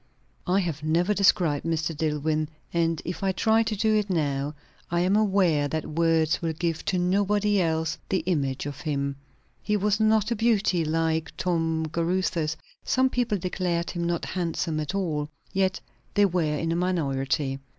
I have never described Mr. Dillwyn; and if I try to do it now, I am aware that words will give to nobody else the image of him. He was not a beauty, like Tom Caruthers; some people declared him not handsome at all, yet they were in a minority.